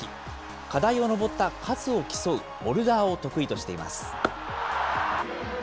課題を登った数を競うボルダーを得意としています。